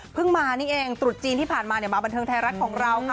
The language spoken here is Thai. มานี่เองตรุษจีนที่ผ่านมาเนี่ยมาบันเทิงไทยรัฐของเราค่ะ